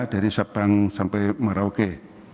dari sabang sampai merauke